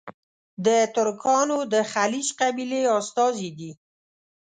د ترکانو د خیلیچ قبیلې استازي دي.